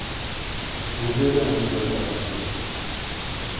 Vous verrez à minuit apparaître midi ;